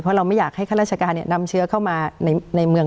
เพราะเราไม่อยากให้ข้าราชการนำเชื้อเข้ามาในเมือง